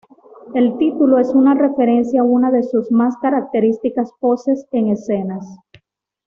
El título es una referencia a una de sus más características poses en escena.